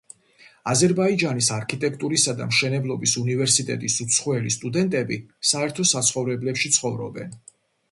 აზერბაიჯანის არქიტექტურისა და მშენებლობის უნივერსიტეტის უცხოელი სტუდენტები საერთო საცხოვრებლებში ცხოვრობენ.